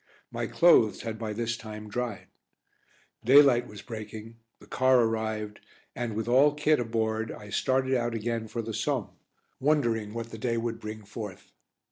My clothes had by this time dried. Daylight was breaking, the car arrived and, with all kit aboard, I started out again for the Somme, wondering what the day would bring forth.